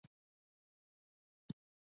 مصنوعي ځیرکتیا د ګډ مسؤلیت اړتیا څرګندوي.